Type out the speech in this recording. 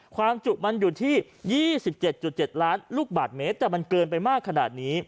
ความจุมันอยู่ที่๒๗๗ล้านลูกบาทเมตรแต่มันเกินไปมากขนาดนี้